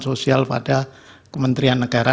sosial pada kementerian negara